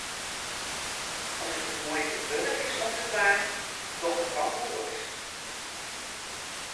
As it de muoite wurdich is om te dwaan, doch it dan goed.